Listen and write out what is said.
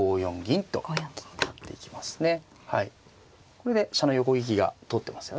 これで飛車の横利きが通ってますよね。